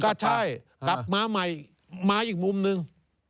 ก็ใช่ตับม้าใหม่ม้าอีกมุมหนึ่ง